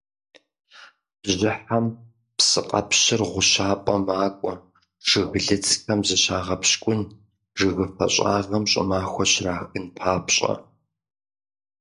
Бжьыхьэм псыкъэпщыр гъущапӀэ макӀуэ, жыглыцхэм зыщагъэпщкӀун, жыгыфэ щӀагъхэм щӀымахуэр щрахын папщӀэ.